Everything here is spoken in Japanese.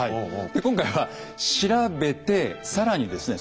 今回は調べて更にですね